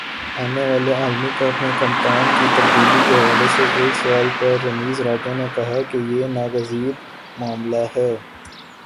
آنے والے عالمی کپ میں کپتان کی تبدیلی کے حوالے سے ایک سوال پر رمیز راجہ نے کہا کہ یہ ناگزیر معاملہ ہے